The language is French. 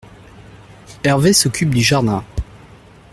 Hervé s’occupe du jardin.